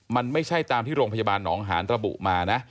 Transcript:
มันไม่ใช่ตามที่โรงพยาบาลหนองหานระบุมานะ